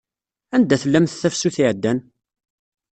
Anda tellamt tafsut iɛeddan?